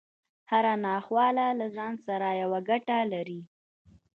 هره ناخواله له ځان سره يوه ګټه لري.